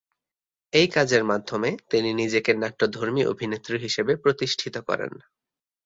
এই কাজের মাধ্যমে তিনি নিজেকে নাট্যধর্মী অভিনেত্রী হিসেবে প্রতিষ্ঠিত করেন।